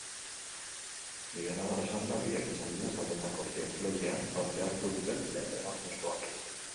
Bidenabar esanda, biak izan dira taldekako triatloiean parte hartu duten lehen emakumezkoak.